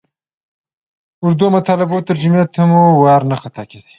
اوږدو مطالبو ترجمې ته مو وار نه خطا کېدئ.